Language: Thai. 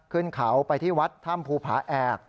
ขึ้นเขาไปที่วัดถ้ำภูผาแอก